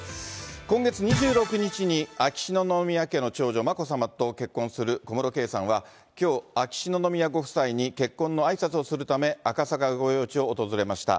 今月２６日に秋篠宮家の長女、眞子さまと結婚する小室圭さんは、きょう、秋篠宮ご夫妻に結婚のあいさつをするため、赤坂御用地を訪れました。